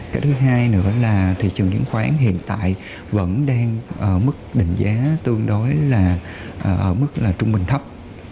cái thứ hai nữa là thị trường chứng khoán hiện tại vẫn đang ở mức định giá tương đối là ở mức là trung bình thấp